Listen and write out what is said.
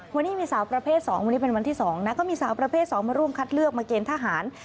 วันนี้มีสาวประเภท๒วันนี้เป็นวันที่๒นะก็มีสาวประเภท๒มาร่วมคัดเลือกมาเกณฑ์ทหาร